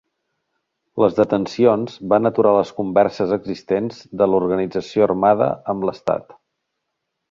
Les detencions van aturar les converses existents de l'organització armada amb l'Estat.